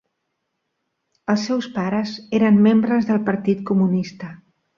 Els seus pares eren membres del partit comunista.